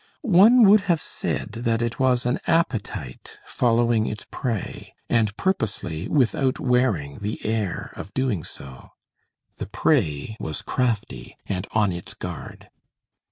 One would have said that it was an appetite following its prey, and purposely without wearing the air of doing so. The prey was crafty and on its guard.